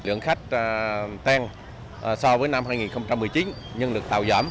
lượng khách tăng so với năm hai nghìn một mươi chín nhân lực tàu giảm